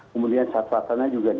kemudian satwasana juga